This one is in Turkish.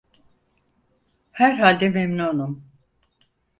Herhalde memnunum…